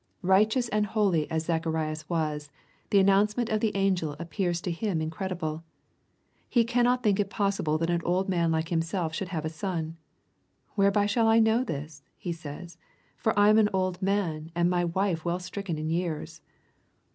Bighteous and holy as Zacharias was, the an nouncement of the angel appears to him incredible. He cannot think it possible that an old man like himself should have a son. " Whereby shall I know this ?" he says, " for I am an old man, and my wife well stricken in years."